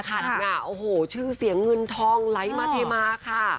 ไปขาดเงี่ยวชื่อเสียเงินทองไร้มะเทมาค่ะ